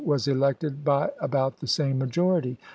was elected by about the same majority.